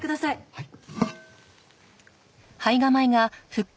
はい。